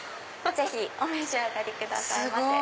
ぜひお召し上がりくださいませ。